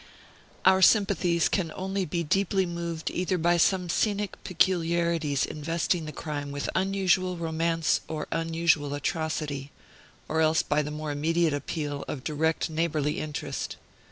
Our sympathies can only be deeply moved either by some scenic peculiarities investing the crime with unusual romance or unusual atrocity, or else by the more immediate appeal of direct neighborly interest.